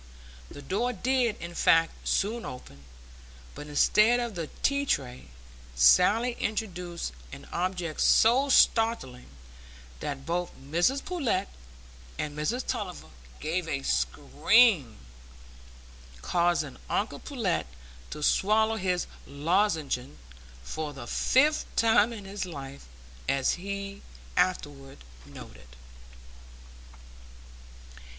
The door did, in fact, soon open, but instead of the tea tray, Sally introduced an object so startling that both Mrs Pullet and Mrs Tulliver gave a scream, causing uncle Pullet to swallow his lozenge—for the fifth time in his life, as he afterward noted.